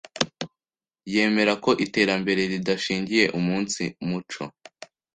yemera ko iterambere ridashingiye umunsi muco